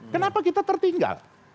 kenapa kita tertinggal